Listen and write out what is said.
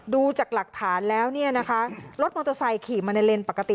ดูจากหลักฐานแล้วเนี่ยนะคะรถมอเตอร์ไซค์ขี่มาในเลนส์ปกติ